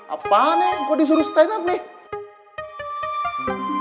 apaan nih kok disuruh stand up nih